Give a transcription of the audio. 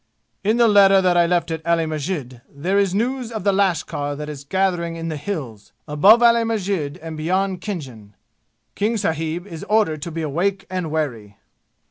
"In the letter that I left at Ali Masjid there is news of the lashkar that is gathering in the 'Hills,' above Ali Masjid and beyond Khinjan. King sahib is ordered to be awake and wary."